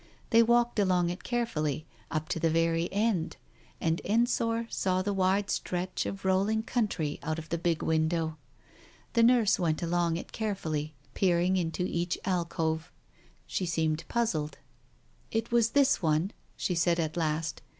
They walked along it carefully, up to the very end, and Ensor saw the wide stretch of rolling country out of the Digitized by Google 298 TALES OF THE UNEASY big window. The nurse went along it carefully, peering into each alcove. She seemed puzzled. "It was this one," she said at last.